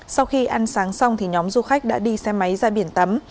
sau khi ăn sáng xong thì nhóm du khách đã đi xe máy ra biển tắm